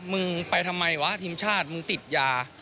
มึงไปทำไมวะทีมชาติมึงติดยา